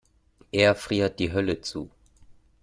Eher friert die Hölle zu.